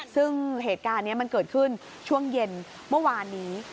ซึ่งเหตุการณ์นี้มันเกิดขึ้นช่วงเย็นเมื่อวานนี้